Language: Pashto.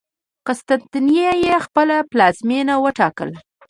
قسطنطنیه یې خپله پلازمېنه وټاکله.